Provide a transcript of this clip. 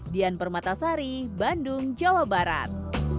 dian permatasari bandung jawa barat